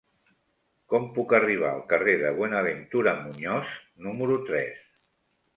Com puc arribar al carrer de Buenaventura Muñoz número tres?